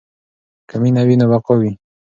که مینه وي نو بقا وي.